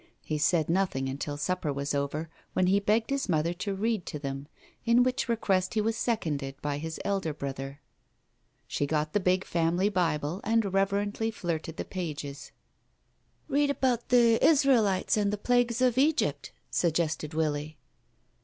He said nothing until supper was over, when he begged his mother to read to them, in which request he was seconded by his elder brother. She got the big family Bible and reverently flirted the pages. ... "Read about the Israelites and the Plagues of Egypt," suggested Willie.